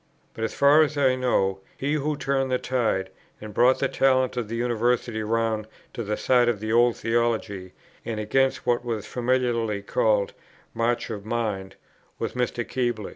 But, as far as I know, he who turned the tide, and brought the talent of the University round to the side of the old theology, and against what was familiarly called "march of mind," was Mr. Keble.